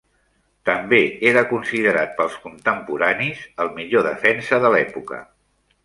També era considerat pels contemporanis el millor defensa de l'època.